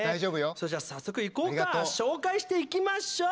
それじゃ、早速いこうか。紹介していきましょう！